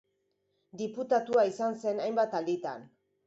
Diputatua izan zen hainbat alditan.